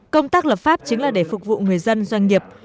công tác lập pháp chính là để phục vụ người dân doanh nghiệp